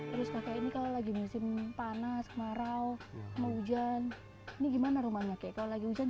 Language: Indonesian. terus kakek ini kalau lagi musim panas kemarau mau hujan ini gimana rumahnya kayak kalau lagi hujan